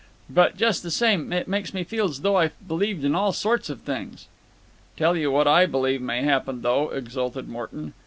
But, just the same, it makes me feel's though I believed in all sorts of things." "Tell you what I believe may happen, though," exulted Morton.